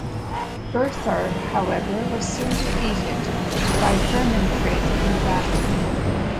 Berthar, however, was soon defeated by Hermanfrid in battle.